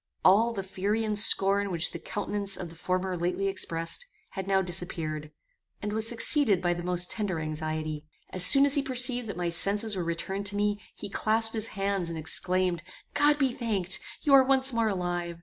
All the fury and scorn which the countenance of the former lately expressed, had now disappeared, and was succeeded by the most tender anxiety. As soon as he perceived that my senses were returned to me, he clasped his hands, and exclaimed, "God be thanked! you are once more alive.